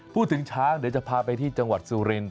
พูดถึงช้างเดี๋ยวจะพาไปที่จังหวัดสุรินท